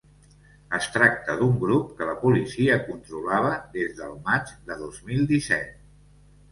Es tracta d’un grup que la policia control·lava des del maig de dos mil disset.